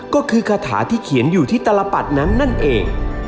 ก็คือคาถาที่เขียนอยู่ที่ตลปัดนั้นนั่นเอง